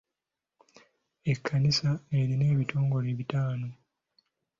Ekkanisa erina ebitongole bitaano.